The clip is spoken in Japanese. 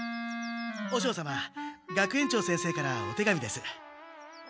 和尚様学園長先生からお手紙です。